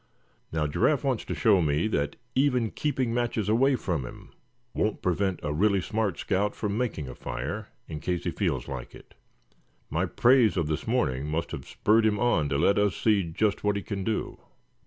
Now, Giraffe wants to show me that even keeping matches away from him won't prevent a really smart scout from making a fire, in case he feels like it. My praise of this morning must have spurred him on to let us see just what he can do."